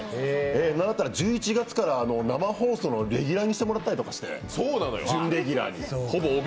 なんだったら１１月から生放送のレギュラーにさせていただいたり、準レギュラーに。